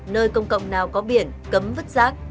nơi công cộng nào có biển cấm vứt rác